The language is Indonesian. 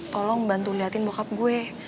tolong bantu liatin bockup gue